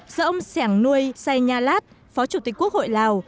giữa ông sẻng nuôi say nha lát phó chủ tịch quốc hội lào